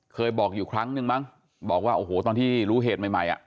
เคยบอกอยู่ครั้งนึงมั้งบอกว่าโอ้โหตอนที่รู้เหตุใหม่ใหม่อ่ะ